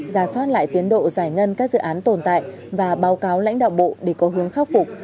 ra soát lại tiến độ giải ngân các dự án tồn tại và báo cáo lãnh đạo bộ để có hướng khắc phục